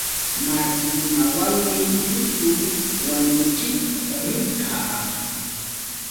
Massikunawanmi yutu wañuchiq rirqaa.